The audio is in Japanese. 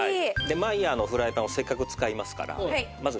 マイヤーのフライパンをせっかく使いますから。